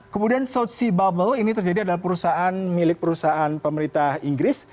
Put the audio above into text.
kemudian south sea bubble ini terjadi adalah perusahaan milik perusahaan pemerintah inggris